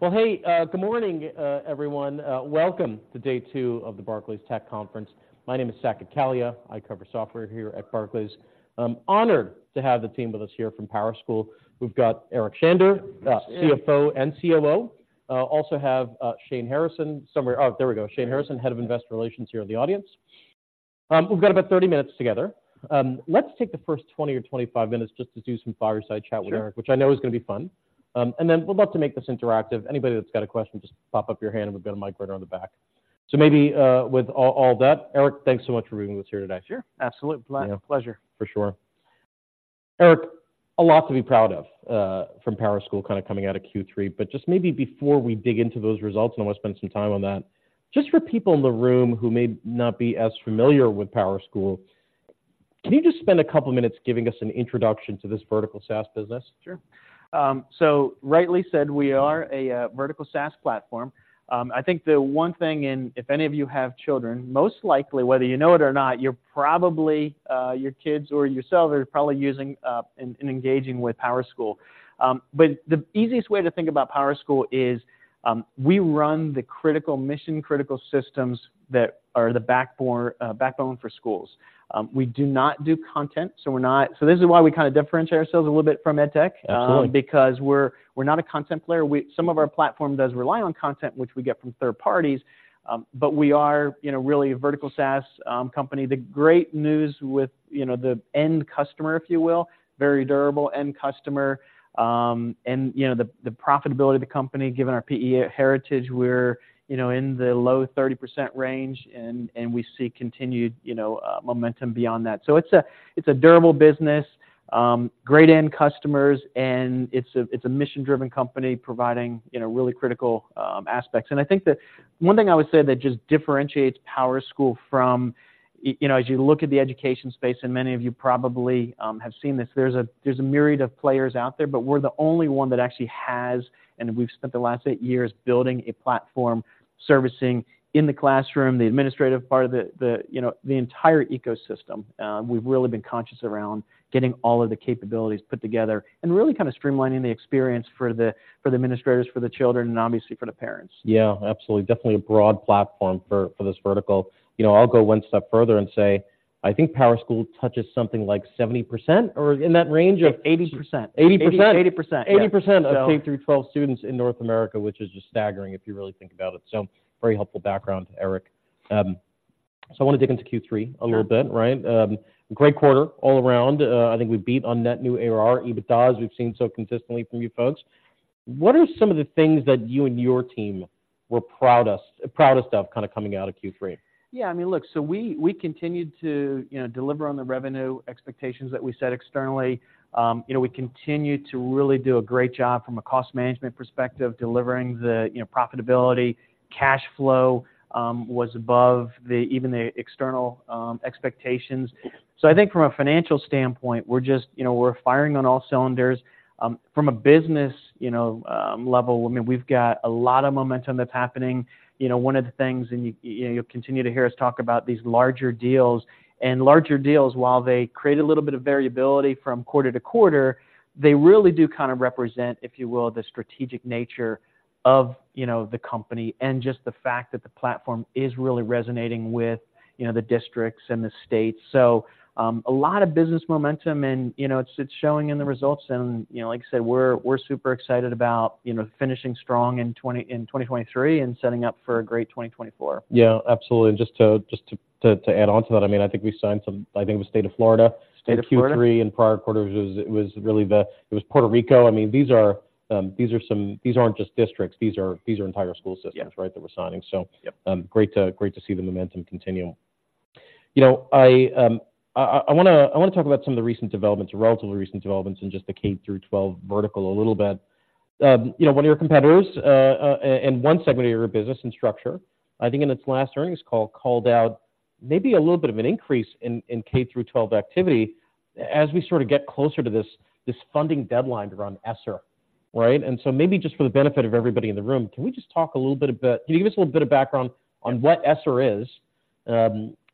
Well, hey, good morning, everyone. Welcome to day two of the Barclays Tech Conference. My name is Saket Kalia. I cover software here at Barclays. I'm honored to have the team with us here from PowerSchool. We've got Eric Shander, CFO and COO. Also have Shane Harrison somewhere. Oh, there we go. Shane Harrison, head of investor relations, here in the audience. We've got about 30 minutes together. Let's take the first 20 or 25 minutes just to do some fireside chat with Eric. Sure. which I know is going to be fun. And then we'd love to make this interactive. Anybody that's got a question, just pop up your hand, and we've got a microphone on the back. So maybe, with all that, Eric, thanks so much for being with us here today. Sure. Absolutely. Yeah. Pleasure. For sure. Eric, a lot to be proud of from PowerSchool, kinda coming out of Q3. But just maybe before we dig into those results, I wanna spend some time on that. Just for people in the room who may not be as familiar with PowerSchool, can you just spend a couple of minutes giving us an introduction to this vertical SaaS business? Sure. So rightly said, we are a vertical SaaS platform. I think the one thing, and if any of you have children, most likely, whether you know it or not, you're probably your kids or yourself are probably using and engaging with PowerSchool. But the easiest way to think about PowerSchool is we run the critical mission-critical systems that are the backbone for schools. We do not do content, so we're not. So this is why we kinda differentiate ourselves a little bit from EdTech- Absolutely... because we're, we're not a content player. We. Some of our platform does rely on content, which we get from third parties, but we are, you know, really a vertical SaaS, company. The great news with, you know, the end customer, if you will, very durable end customer, and, you know, the profitability of the company, given our PE heritage, we're, you know, in the low 30% range, and we see continued, you know, momentum beyond that. So it's a durable business, great end customers, and it's a mission-driven company providing, you know, really critical aspects. And I think that one thing I would say that just differentiates PowerSchool from... You know, as you look at the education space, and many of you probably have seen this, there's a myriad of players out there, but we're the only one that actually has, and we've spent the last eight years building a platform, servicing in the classroom, the administrative part of the, you know, the entire ecosystem. We've really been conscious around getting all of the capabilities put together and really kind of streamlining the experience for the administrators, for the children, and obviously for the parents. Yeah, absolutely. Definitely a broad platform for this vertical. You know, I'll go one step further and say, I think PowerSchool touches something like 70% or in that range of- 80%. 80%? 80%. 80%- Yeah, so... of K-12 students in North America, which is just staggering, if you really think about it. So very helpful background, Eric. So I want to dig into Q3 a little bit. Sure. Right? Great quarter all around. I think we beat on net new ARR, EBITDA, as we've seen so consistently from you folks. What are some of the things that you and your team were proudest, proudest of, kinda coming out of Q3? Yeah, I mean, look, so we continued to, you know, deliver on the revenue expectations that we set externally. You know, we continued to really do a great job from a cost management perspective, delivering the, you know, profitability. Cash flow was above the—even the external expectations. So I think from a financial standpoint, we're just, you know, we're firing on all cylinders. From a business, you know, level, I mean, we've got a lot of momentum that's happening. You know, one of the things, and you, you'll continue to hear us talk about these larger deals, and larger deals, while they create a little bit of variability from quarter to quarter, they really do kinda represent, if you will, the strategic nature of, you know, the company and just the fact that the platform is really resonating with, you know, the districts and the states. So, a lot of business momentum and, you know, it's, it's showing in the results. And, you know, like I said, we're, we're super excited about, you know, finishing strong in 2023 and setting up for a great 2024. Yeah, absolutely. Just to add on to that, I mean, I think we signed some... I think it was state of Florida. State of Florida... Q3 and prior quarters, it was really the. It was Puerto Rico. I mean, these are some. These aren't just districts. These are entire school systems- Yeah... right, that we're signing. So- Yep Great to see the momentum continue. You know, I wanna talk about some of the recent developments, or relatively recent developments in just the K-12 vertical a little bit. You know, one of your competitors, in one segment of your business and structure, I think in its last earnings call, called out maybe a little bit of an increase in K-12 activity as we sort of get closer to this funding deadline around ESSER, right? And so maybe just for the benefit of everybody in the room, can you give us a little bit of background on what ESSER is,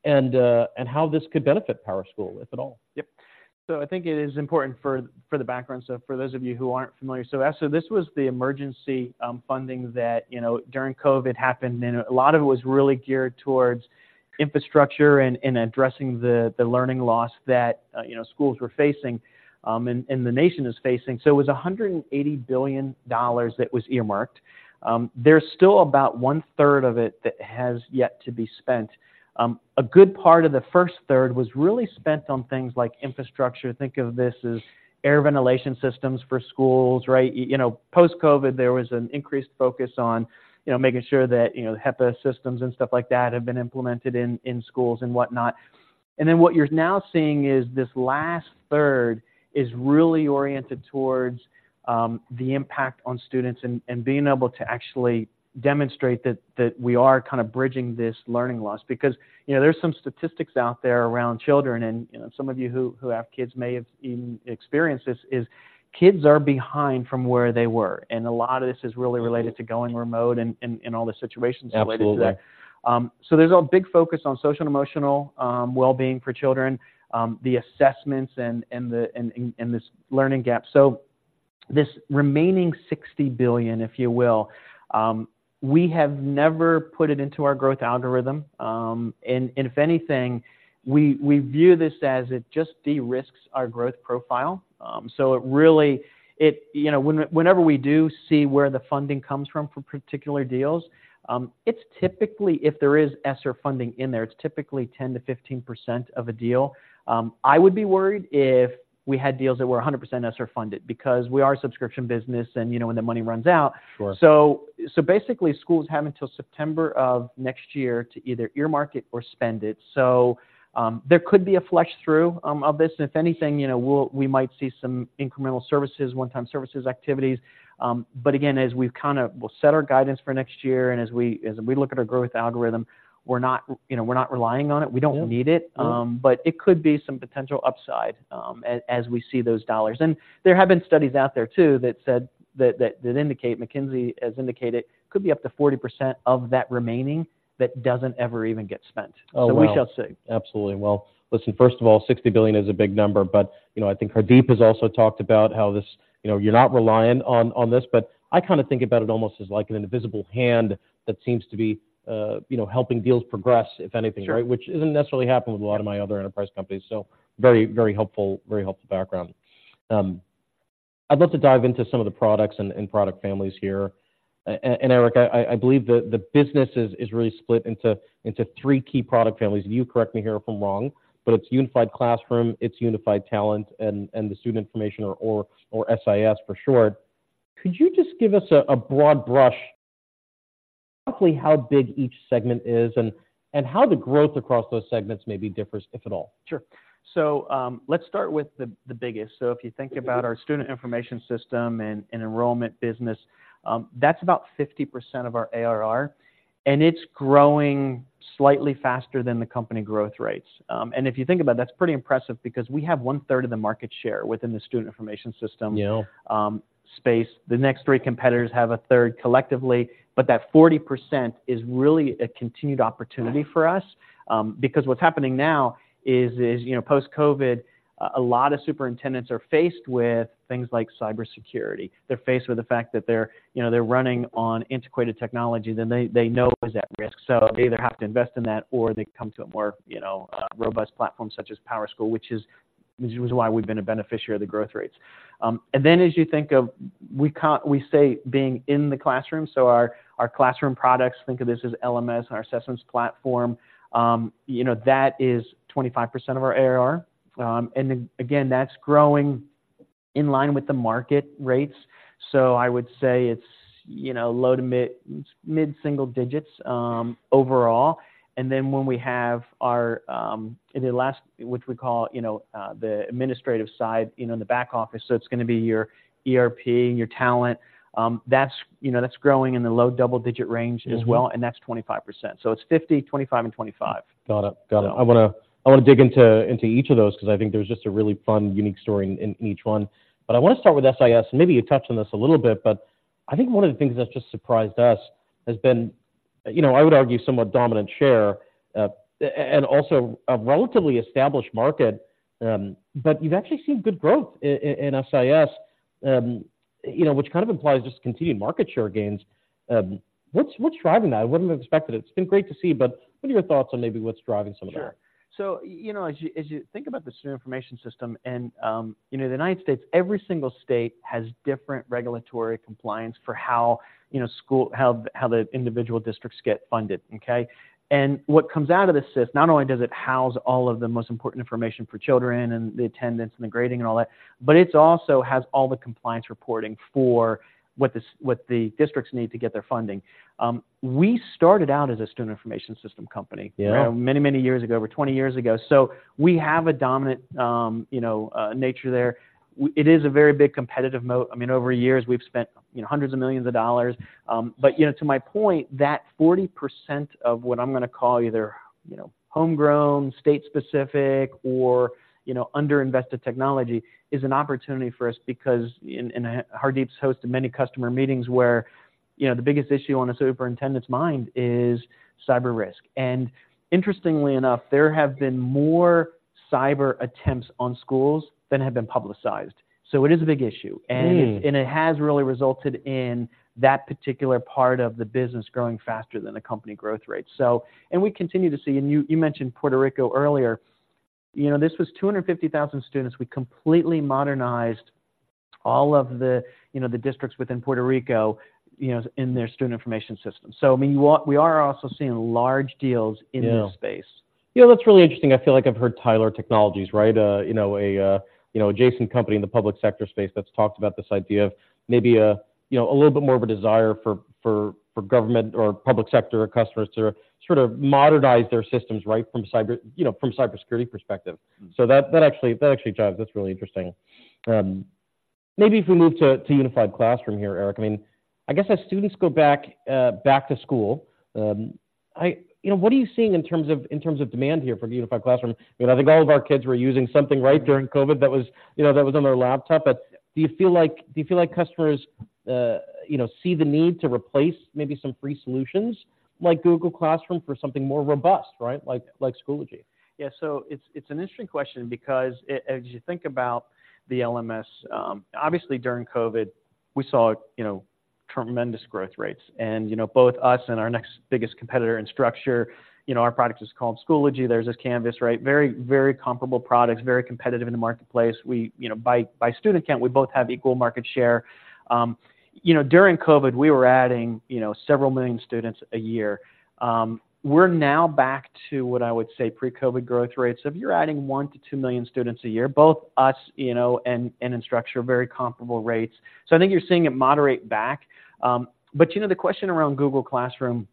and how this could benefit PowerSchool, if at all? Yep. So I think it is important for the background, so for those of you who aren't familiar. So ESSER, this was the emergency funding that, you know, during COVID happened, and a lot of it was really geared towards infrastructure and addressing the learning loss that, you know, schools were facing, and the nation is facing. So it was $180 billion that was earmarked. There's still about one-third of it that has yet to be spent. A good part of the first third was really spent on things like infrastructure. Think of this as air ventilation systems for schools, right? You know, post-COVID, there was an increased focus on making sure that HEPA systems and stuff like that have been implemented in schools and whatnot. And then what you're now seeing is this last third is really oriented towards the impact on students and being able to actually demonstrate that we are kind of bridging this learning loss. Because, you know, there's some statistics out there around children, and, you know, some of you who have kids may have even experienced this, is kids are behind from where they were, and a lot of this is really related to going remote and all the situations related to that. Absolutely. So there's a big focus on social and emotional well-being for children, the assessments and this learning gap. This remaining $60 billion, if you will, we have never put it into our growth algorithm. And if anything, we view this as it just de-risks our growth profile. So it really, you know, whenever we do see where the funding comes from for particular deals, it's typically, if there is ESSER funding in there, it's typically 10% to 15% of a deal. I would be worried if we had deals that were 100% ESSER funded because we are a subscription business, and, you know, when the money runs out. Sure. So, so basically, schools have until September of next year to either earmark it or spend it. So, there could be a flush through of this. And if anything, you know, we'll, we might see some incremental services, one-time services activities. But again, as we've kinda, we'll set our guidance for next year, and as we look at our growth algorithm, we're not, you know, we're not relying on it. Yeah. We don't need it. Sure. But it could be some potential upside, as we see those dollars. And there have been studies out there, too, that indicate, McKinsey has indicated, could be up to 40% of that remaining that doesn't ever even get spent. Oh, wow! We shall see. Absolutely. Well, listen, first of all, $60 billion is a big number, but, you know, I think Hardeep has also talked about how this, you know, you're not reliant on, on this, but I kinda think about it almost as like an invisible hand that seems to be, you know, helping deals progress, if anything, right? Sure. Which isn't necessarily happening with a lot of my other enterprise companies, so very, very helpful, very helpful background. I'd love to dive into some of the products and product families here. And Eric, I believe the business is really split into three key product families. You correct me here if I'm wrong, but it's Unified Classroom, it's Unified Talent, and the Student Information or SIS, for short. Could you just give us a broad brush, roughly how big each segment is and how the growth across those segments maybe differs, if at all? Sure. So, let's start with the biggest. So if you think about our Student Information System and enrollment business, that's about 50% of our ARR, and it's growing slightly faster than the company growth rates. And if you think about it, that's pretty impressive because we have one-third of the market share within the student information system. Yeah... space. The next three competitors have a third collectively, but that 40% is really a continued opportunity for us. Right. Because what's happening now is, you know, post-COVID, a lot of superintendents are faced with things like cybersecurity. They're faced with the fact that they're, you know, running on antiquated technology that they know is at risk. So they either have to invest in that, or they come to a more, you know, robust platform such as PowerSchool, which is why we've been a beneficiary of the growth rates. And then as you think of we say being in the classroom, so our classroom products, think of this as LMS, our assessments platform, you know, that is 25% of our ARR. And again, that's growing in line with the market rates. So I would say it's, you know, low to mid-single digits, overall. And then when we have our, in the last, which we call, you know, the administrative side, you know, in the back office, so it's gonna be your ERP and your talent, that's, you know, that's growing in the low double-digit range as well- Mm-hmm... and that's 25%. So it's 50, 25, and 25. Got it. Got it. So- I wanna dig into each of those because I think there's just a really fun, unique story in each one. But I wanna start with SIS. Maybe you touched on this a little bit, but I think one of the things that's just surprised us has been, you know, I would argue, somewhat dominant share and also a relatively established market, but you've actually seen good growth in SIS, you know, which kind of implies just continued market share gains. What's driving that? I wouldn't have expected it. It's been great to see, but what are your thoughts on maybe what's driving some of that? Sure. So, you know, as you think about the student information system, and, you know, the United States, every single state has different regulatory compliance for how, you know, how the individual districts get funded, okay? And what comes out of this is, not only does it house all of the most important information for children and the attendance and the grading and all that, but it also has all the compliance reporting for what the districts need to get their funding. We started out as a student information system company- Yeah... many, many years ago, over 20 years ago. So we have a dominant, you know, nature there. It is a very big competitive moat—I mean, over the years, we've spent, you know, hundreds of millions. But, you know, to my point, that 40% of what I'm gonna call either, you know, homegrown, state-specific, or, you know, underinvested technology is an opportunity for us because in a—Hardeep's hosted many customer meetings where, you know, the biggest issue on a superintendent's mind is cyber risk. And interestingly enough, there have been more cyber attempts on schools than have been publicized. So it is a big issue. Really? It has really resulted in that particular part of the business growing faster than the company growth rate. So... We continue to see, and you mentioned Puerto Rico earlier. You know, this was 250,000 students. We completely modernized all of the, you know, the districts within Puerto Rico, you know, in their student information system. So, I mean, we are also seeing large deals in this space. Yeah. You know, that's really interesting. I feel like I've heard Tyler Technologies, right? You know, a little bit more of a desire for government or public sector customers to sort of modernize their systems, right, from cyber, you know, from a cybersecurity perspective. Mm-hmm. So that actually jives. That's really interesting. Maybe if we move to Unified Classroom here, Eric. I mean, I guess as students go back back to school, you know, what are you seeing in terms of demand here for Unified Classroom? You know, I think all of our kids were using something, right, during COVID that was, you know, that was on their laptop. But do you feel like customers you know see the need to replace maybe some free solutions like Google Classroom for something more robust, right? Like Schoology. Yeah, so it's an interesting question because as you think about the LMS, obviously during COVID, we saw, you know, tremendous growth rates. And, you know, both us and our next biggest competitor Instructure, you know, our product is called Schoology. Theirs is Canvas, right? Very, very comparable products, very competitive in the marketplace. We, you know, by student count, we both have equal market share. You know, during COVID, we were adding, you know, several million students a year. We're now back to what I would say, pre-COVID growth rates. So if you're adding 1 million to two million students a year, both us, you know, and Instructure, very comparable rates. So I think you're seeing it moderate back. But you know, the question around Google Classroom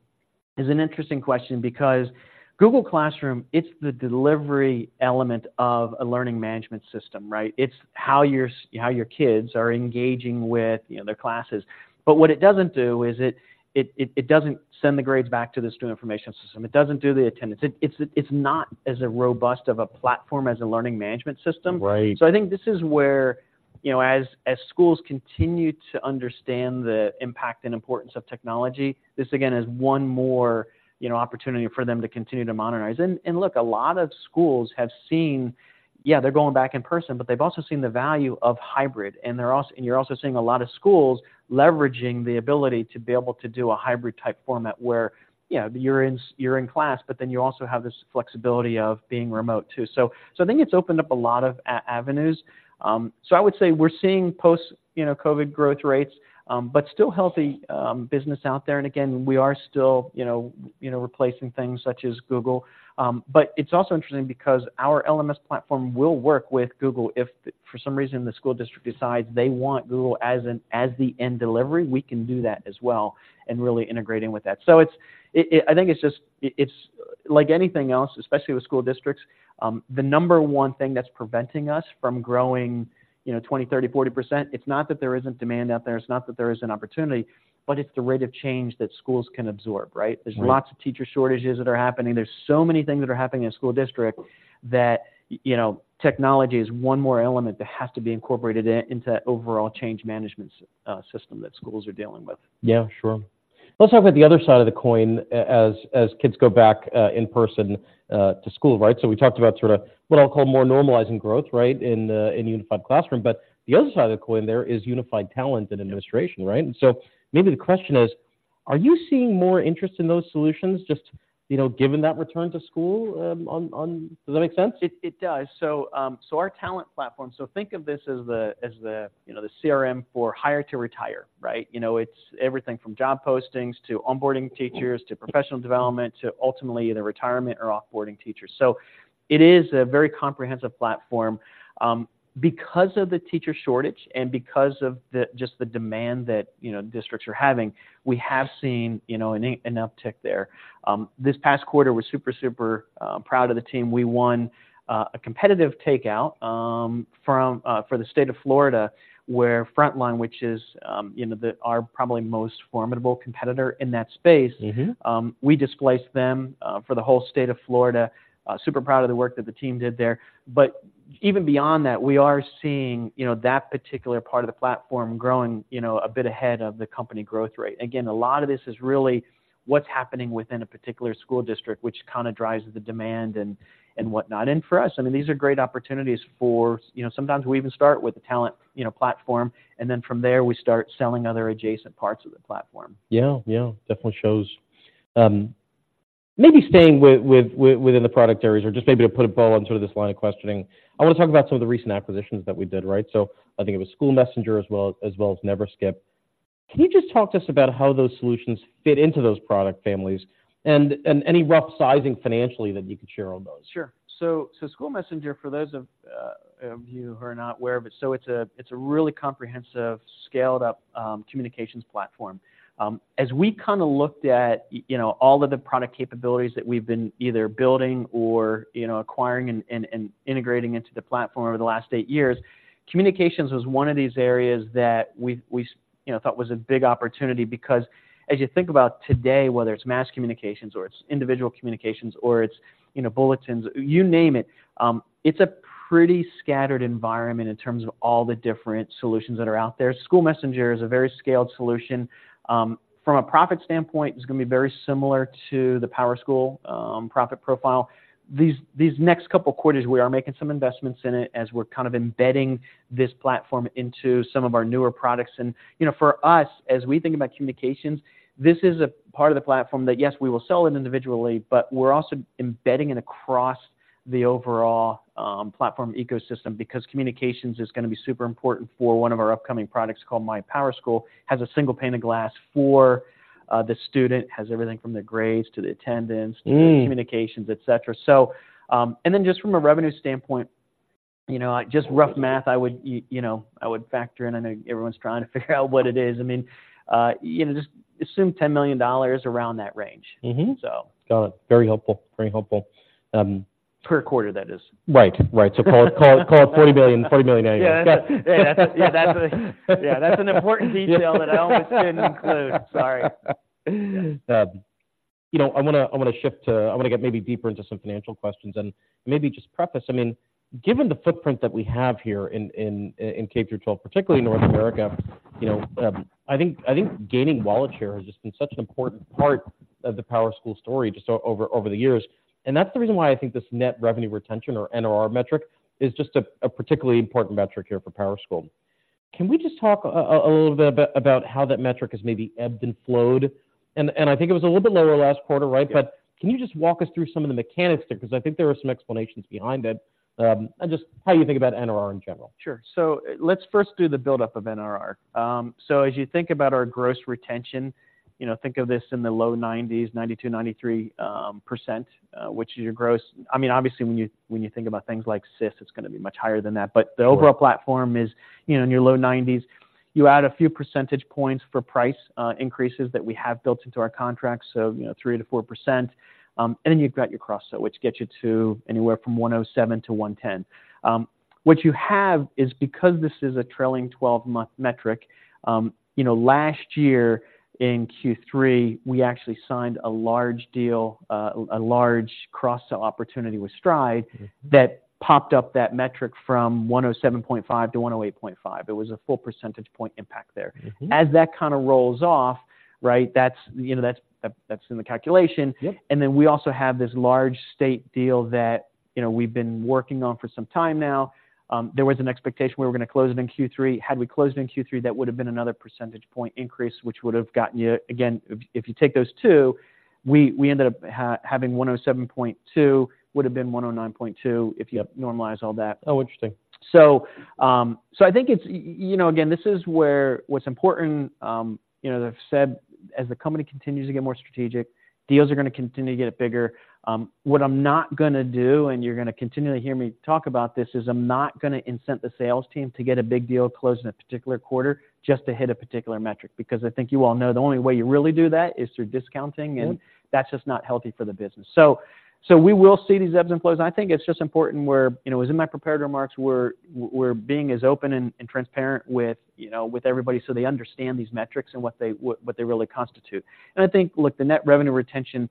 is an interesting question because Google Classroom, it's the delivery element of a learning management system, right? It's how your kids are engaging with, you know, their classes. But what it doesn't do is it doesn't send the grades back to the student information system. It doesn't do the attendance. It's not as robust a platform as a learning management system. Right. So I think this is where, you know, as schools continue to understand the impact and importance of technology, this again, is one more, you know, opportunity for them to continue to modernize. And look, a lot of schools have seen— Yeah, they're going back in person, but they've also seen the value of hybrid, and they're also— and you're also seeing a lot of schools leveraging the ability to be able to do a hybrid-type format where, you know, you're in class, but then you also have this flexibility of being remote, too. So I think it's opened up a lot of avenues. So I would say we're seeing post, you know, COVID growth rates, but still healthy, business out there. And again, we are still, you know, you know, replacing things such as Google. But it's also interesting because our LMS platform will work with Google if for some reason the school district decides they want Google as an the end delivery, we can do that as well and really integrating with that. So it's it, it I think it's just, it's like anything else, especially with school districts, the number one thing that's preventing us from growing, you know, 20%, 30%, 40%, it's not that there isn't demand out there, it's not that there is an opportunity, but it's the rate of change that schools can absorb, right? Right. There's lots of teacher shortages that are happening. There's so many things that are happening in a school district that, you know, technology is one more element that has to be incorporated into that overall change management system that schools are dealing with. Yeah, sure. Let's talk about the other side of the coin as kids go back in person to school, right? So we talked about sort of what I'll call more normalizing growth, right, in Unified Classroom. But the other side of the coin there is Unified Talent and Administration, right? And so maybe the question is: Are you seeing more interest in those solutions, just, you know, given that return to school... Does that make sense? It does. So our talent platform, so think of this as the, you know, the CRM for hire to retire, right? You know, it's everything from job postings to onboarding teachers, to professional development, to ultimately the retirement or off-boarding teachers. So it is a very comprehensive platform. Because of the teacher shortage and because of the just the demand that, you know, districts are having, we have seen, you know, an uptick there. This past quarter, we're super proud of the team. We won a competitive takeout from for the state of Florida, where Frontline, which is, you know, our probably most formidable competitor in that space. Mm-hmm. We displaced them for the whole state of Florida. Super proud of the work that the team did there. But even beyond that, we are seeing, you know, that particular part of the platform growing, you know, a bit ahead of the company growth rate. Again, a lot of this is really what's happening within a particular school district, which kinda drives the demand and whatnot. And for us, I mean, these are great opportunities for... You know, sometimes we even start with the talent, you know, platform, and then from there, we start selling other adjacent parts of the platform. Yeah. Yeah, definitely shows. Maybe staying with within the product areas or just maybe to put a bow on sort of this line of questioning. I want to talk about some of the recent acquisitions that we did, right? So I think it was SchoolMessenger as well as Neverskip. Can you just talk to us about how those solutions fit into those product families and any rough sizing financially that you could share on those? Sure. So, SchoolMessenger, for those of you who are not aware of it, it's a really comprehensive, scaled-up communications platform. As we kinda looked at, you know, all of the product capabilities that we've been either building or, you know, acquiring and integrating into the platform over the last eight years, communications was one of these areas that we you know thought was a big opportunity. Because as you think about today, whether it's mass communications or it's individual communications or it's, you know, bulletins, you name it, it's a pretty scattered environment in terms of all the different solutions that are out there. SchoolMessenger is a very scaled solution. From a profit standpoint, it's gonna be very similar to the PowerSchool profit profile. These next couple of quarters, we are making some investments in it as we're kind of embedding this platform into some of our newer products. And, you know, for us, as we think about communications, this is a part of the platform that, yes, we will sell it individually, but we're also embedding it across the overall platform ecosystem, because communications is gonna be super important for one of our upcoming products called MyPowerSchool. Has a single pane of glass for the student, has everything from their grades to the attendance- Mm. -to the communications, et cetera. So, and then just from a revenue standpoint, you know, just rough math, I would, you know, I would factor in, I know everyone's trying to figure out what it is. I mean, you know, just assume $10 million around that range. Mm-hmm. So. Got it. Very helpful, very helpful. Per quarter, that is. Right. Right. So call it $40 million a year. Yeah. Yeah, that's an important detail that I almost didn't include. Sorry. You know, I wanna get maybe deeper into some financial questions and maybe just preface. I mean, given the footprint that we have here in K through twelve, particularly in North America, you know, I think gaining wallet share has just been such an important part of the PowerSchool story just over the years. And that's the reason why I think this net revenue retention or NRR metric is just a particularly important metric here for PowerSchool. Can we just talk a little bit about how that metric has maybe ebbed and flowed? And I think it was a little bit lower last quarter, right? Yeah. Can you just walk us through some of the mechanics there? Because I think there are some explanations behind it, and just how you think about NRR in general. Sure. So let's first do the buildup of NRR. So as you think about our gross retention, you know, think of this in the low 90s, 92%, 93%, which is your gross - I mean, obviously, when you, when you think about things like SIS, it's gonna be much higher than that. Sure. But the overall platform is, you know, in your low 90s. You add a few percentage points for price increases that we have built into our contracts, so, you know, 3%-4%, and then you've got your cross-sell, which gets you to anywhere from 107-110. What you have is because this is a trailing twelve-month metric, you know, last year in Q3, we actually signed a large deal, a large cross-sell opportunity with Stride, that popped up that metric from 107.5-108.5. It was a full percentage point impact there. Mm-hmm. As that kind of rolls off, right, that's, you know, that's, that's in the calculation. Yep. And then we also have this large state deal that, you know, we've been working on for some time now. There was an expectation we were gonna close it in Q3. Had we closed it in Q3, that would have been another percentage point increase, which would have gotten you... Again, if you take those two, we ended up having 107.2, would have been 109.2, if you normalize all that. Oh, interesting. So, I think it's, you know, again, this is where what's important, you know, I've said as the company continues to get more strategic, deals are gonna continue to get bigger. What I'm not gonna do, and you're gonna continually hear me talk about this, is I'm not gonna incent the sales team to get a big deal closed in a particular quarter just to hit a particular metric, because I think you all know the only way you really do that is through discounting- Yep... and that's just not healthy for the business. So we will see these ebbs and flows, and I think it's just important we're, you know, as in my prepared remarks, we're being as open and transparent with, you know, with everybody so they understand these metrics and what they really constitute. And I think, look, the net revenue retention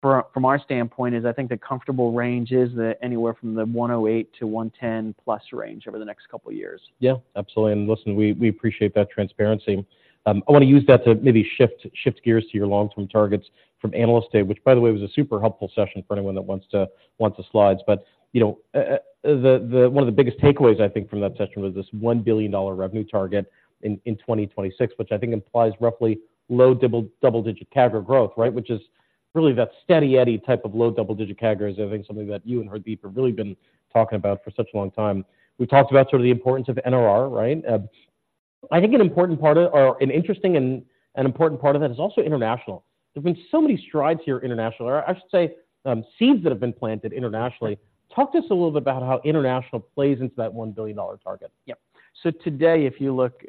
from our standpoint is, I think, the comfortable range is anywhere from the 108-110+ range over the next couple of years. Yeah, absolutely. And listen, we appreciate that transparency. I wanna use that to maybe shift, shift gears to your long-term targets from Analyst Day, which, by the way, was a super helpful session for anyone that wants to- wants the slides. But, you know, one of the biggest takeaways, I think, from that session was this $1 billion revenue target in 2026, which I think implies roughly low double-digit CAGR growth, right? Which is really that steady eddy type of low double-digit CAGR is, I think, something that you and Hardeep have really been talking about for such a long time. We talked about sort of the importance of NRR, right? I think an important part of, or an interesting and an important part of that is also international. There's been so many strides here, international. Or I should say, seeds that have been planted internationally. Right. Talk to us a little bit about how international plays into that $1 billion target. Yeah. So today, if you look,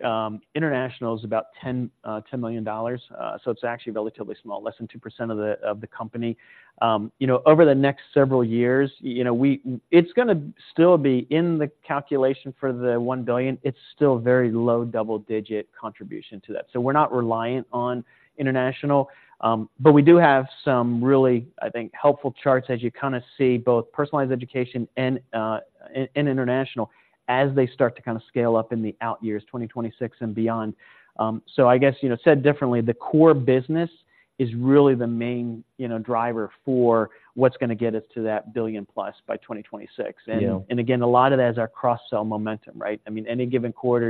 international is about $10 million. So it's actually relatively small, less than 2% of the company. You know, over the next several years, you know, it's gonna still be in the calculation for the $1 billion. It's still very low double-digit contribution to that. So we're not reliant on international, but we do have some really, I think, helpful charts as you kinda see, both personalized education and international, as they start to kinda scale up in the out years, 2026 and beyond. So I guess, you know, said differently, the core business is really the main, you know, driver for what's gonna get us to that $1 billion+ by 2026. Yeah. and again, a lot of that is our cross-sell momentum, right? I mean, any given quarter,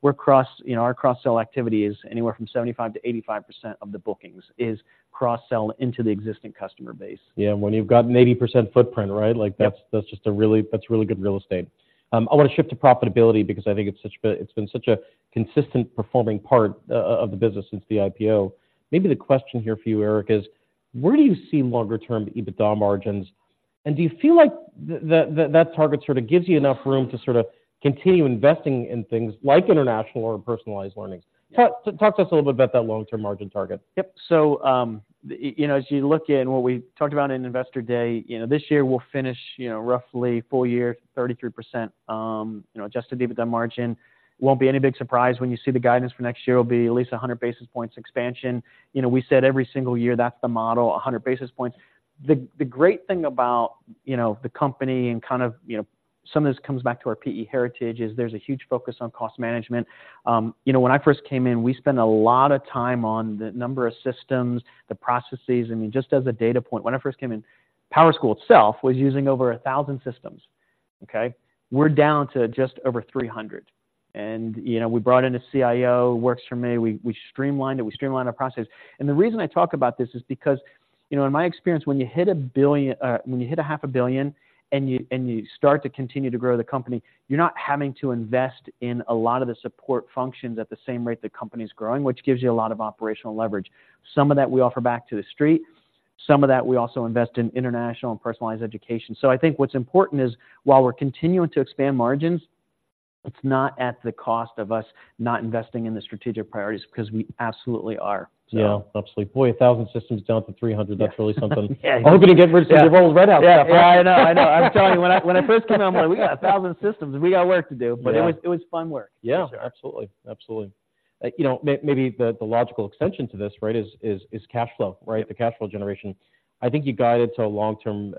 we're, you know, our cross-sell activity is anywhere from 75%-85% of the bookings, is cross-sell into the existing customer base. Yeah, when you've got an 80% footprint, right? Yep. Like, that's just a really good real estate. I wanna shift to profitability because I think it's been such a consistent performing part of the business since the IPO. Maybe the question here for you, Eric, is: Where do you see longer-term EBITDA margins, and do you feel like that target sort of gives you enough room to sort of continue investing in things like international or personalized learnings? Yeah. Talk to us a little bit about that long-term margin target. Yep. So, you know, as you look in, what we talked about in Investor Day, you know, this year we'll finish, you know, roughly full year, 33%, you know, adjusted EBITDA margin. Won't be any big surprise when you see the guidance for next year will be at least 100 basis points expansion. You know, we said every single year, that's the model, 100 basis points. The great thing about, you know, the company and kind of, you know, some of this comes back to our PE heritage, is there's a huge focus on cost management. You know, when I first came in, we spent a lot of time on the number of systems, the processes, I mean, just as a data point, when I first came in, PowerSchool itself was using over 1,000 systems, okay? We're down to just over 300, and, you know, we brought in a CIO, works for me. We, we streamlined it, we streamlined our processes. And the reason I talk about this is because, you know, in my experience, when you hit $1 billion... when you hit $500 million and you, and you start to continue to grow the company, you're not having to invest in a lot of the support functions at the same rate the company's growing, which gives you a lot of operational leverage. Some of that we offer back to the street, some of that we also invest in international and personalized education. So I think what's important is, while we're continuing to expand margins. It's not at the cost of us not investing in the strategic priorities, because we absolutely are, so. Yeah, absolutely. Boy, 1,000 systems down to 300, that's really something. Yeah. Hoping to get rid of your old right out. Yeah, I know. I know. I'm telling you, when I, when I first came on board, we got 1,000 systems, we got work to do- Yeah. But it was, it was fun work. Yeah, absolutely. Absolutely. You know, maybe the logical extension to this, right, is cash flow, right? Yeah. The cash flow generation. I think you guided to a long-term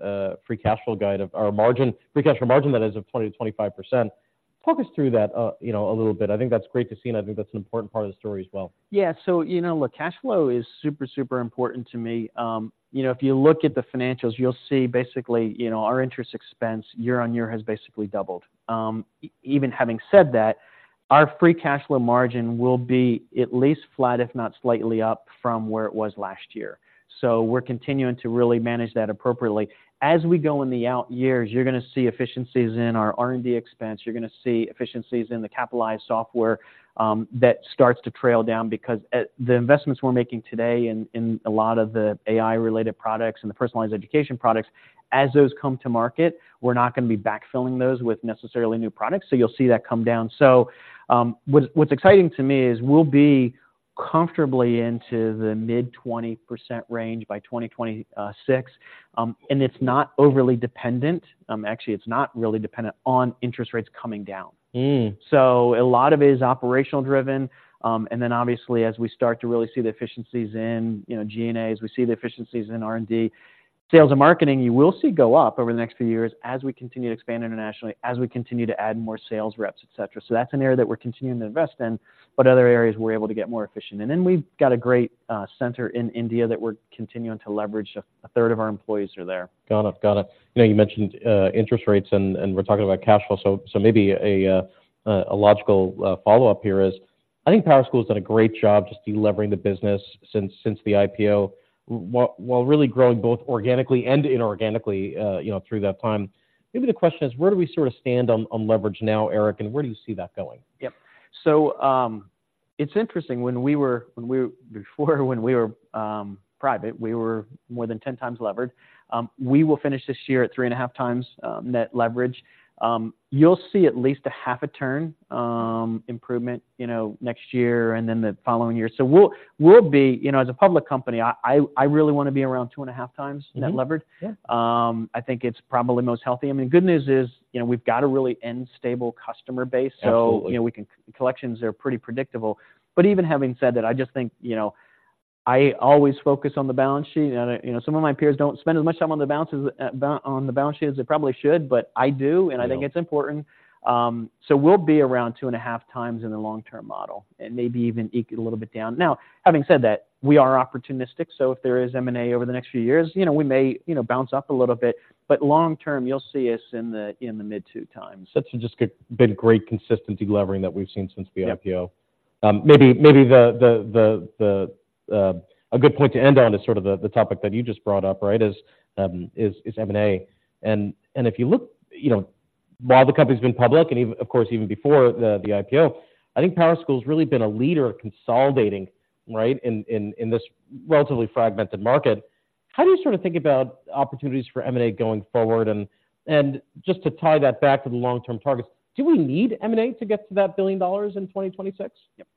free cash flow guide of-- or margin, free cash flow margin, that is of 20%-25%. Talk us through that, you know, a little bit. I think that's great to see, and I think that's an important part of the story as well. Yeah. So, you know, look, cash flow is super, super important to me. You know, if you look at the financials, you'll see basically, you know, our interest expense year on year has basically doubled. Even having said that, our free cash flow margin will be at least flat, if not slightly up from where it was last year. So we're continuing to really manage that appropriately. As we go in the out years, you're gonna see efficiencies in our R&D expense, you're gonna see efficiencies in the capitalized software, that starts to trail down because the investments we're making today in a lot of the AI-related products and the personalized education products, as those come to market, we're not gonna be backfilling those with necessarily new products. So you'll see that come down. What's exciting to me is we'll be comfortably into the mid-20% range by 2026. It's not overly dependent, actually, it's not really dependent on interest rates coming down. Mm. So a lot of it is operational driven. And then obviously, as we start to really see the efficiencies in, you know, G&A, as we see the efficiencies in R&D, sales and marketing, you will see go up over the next few years as we continue to expand internationally, as we continue to add more sales reps, et cetera. So that's an area that we're continuing to invest in, but other areas we're able to get more efficient. And then we've got a great center in India that we're continuing to leverage. A third of our employees are there. Got it. Got it. You know, you mentioned interest rates, and we're talking about cash flow. So maybe a logical follow-up here is, I think PowerSchool has done a great job just delevering the business since the IPO, while really growing both organically and inorganically, you know, through that time. Maybe the question is, where do we sort of stand on leverage now, Eric, and where do you see that going? Yep. So, it's interesting, before, when we were private, we were more than 10x levered. We will finish this year at 3.5x net leverage. You'll see at least 0.5 turn improvement, you know, next year and then the following year. So we'll be—you know, as a public company, I really wanna be around 2.5x net levered. Yeah. I think it's probably the most healthy. I mean, the good news is, you know, we've got a really and stable customer base- Absolutely... so, you know, we can, collections are pretty predictable. But even having said that, I just think, you know, I always focus on the balance sheet, and, you know, some of my peers don't spend as much time on the balance sheets as they probably should, but I do- Yeah... and I think it's important. So we'll be around 2.5 times in the long-term model, and maybe even eke it a little bit down. Now, having said that, we are opportunistic, so if there is M&A over the next few years, you know, we may, you know, bounce up a little bit, but long term, you'll see us in the, in the mid-2 times. That's just good, been great consistency leveraging that we've seen since the IPO. Yep. Maybe a good point to end on is sort of the topic that you just brought up, right? Is M&A. And if you look, you know, while the company's been public, and even, of course, even before the IPO, I think PowerSchool's really been a leader of consolidating, right? In this relatively fragmented market. How do you sort of think about opportunities for M&A going forward? And just to tie that back to the long-term targets, do we need M&A to get to that $1 billion in 2026? Yep.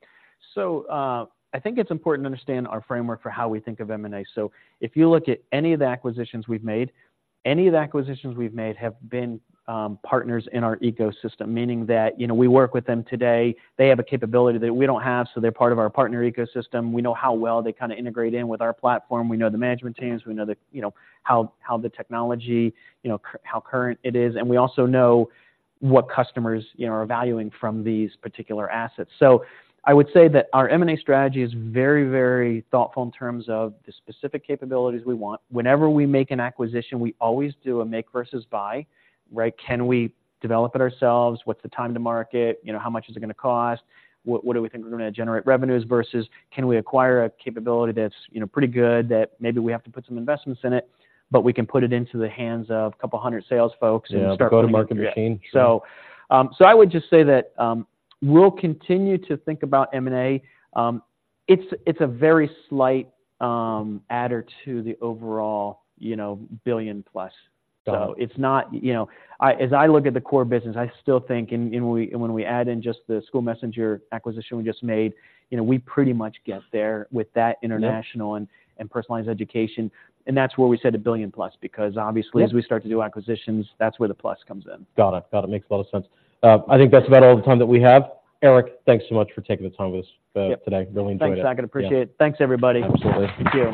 So, I think it's important to understand our framework for how we think of M&A. So if you look at any of the acquisitions we've made, any of the acquisitions we've made have been partners in our ecosystem, meaning that, you know, we work with them today. They have a capability that we don't have, so they're part of our partner ecosystem. We know how well they kind of integrate in with our platform. We know the management teams, we know the, you know, how the technology, you know, how current it is, and we also know what customers, you know, are valuing from these particular assets. So I would say that our M&A strategy is very, very thoughtful in terms of the specific capabilities we want. Whenever we make an acquisition, we always do a make versus buy, right? Can we develop it ourselves? What's the time to market? You know, how much is it gonna cost? What, what do we think we're gonna generate revenues versus can we acquire a capability that's, you know, pretty good, that maybe we have to put some investments in it, but we can put it into the hands of a couple hundred sales folks- Yeah, go-to-market machine. So, I would just say that we'll continue to think about M&A. It's a very slight adder to the overall, you know, billion plus. Got it. So it's not... You know, as I look at the core business, I still think, and when we add in just the SchoolMessenger acquisition we just made, you know, we pretty much get there with that international- Yeah... and personalized education, and that's where we set $1 billion+, because obviously- Yeah... as we start to do acquisitions, that's where the plus comes in. Got it. Got it. Makes a lot of sense. I think that's about all the time that we have. Eric, thanks so much for taking the time with us, today. Yep. Really enjoyed it. Thanks, Saket. Appreciate it. Yeah. Thanks, everybody. Absolutely. Thank you.